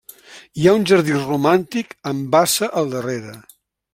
Hi ha un jardí romàntic amb bassa al darrere.